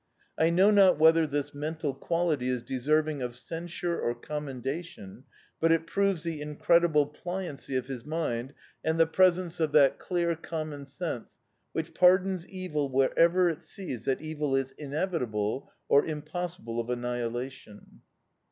I know not whether this mental quality is deserving of censure or commendation, but it proves the incredible pliancy of his mind and the presence of that clear common sense which pardons evil wherever it sees that evil is inevitable or impossible of annihilation.